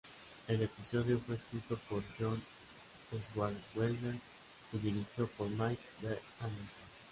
El episodio fue escrito por John Swartzwelder y dirigido por Mike B. Anderson.